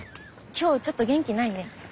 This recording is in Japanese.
今日ちょっと元気ないね。